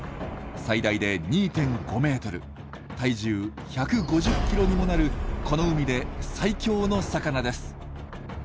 最大で２．５メートル体重１５０キロにもなるこの海で最強の魚です。